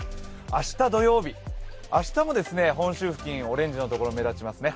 明日土曜日、明日も本州付近、オレンジのところ目立ちますね。